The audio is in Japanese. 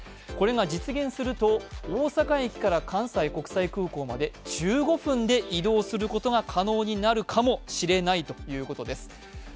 これが実現すると、大阪駅から関西国際空港まで１５分で移動することが可能になるかもしれないということです。